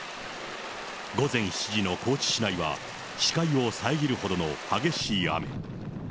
午前７時の高知市内は、視界を遮るほどの激しい雨。